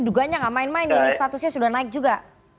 dugaannya tidak main main ini statusnya sudah naik juga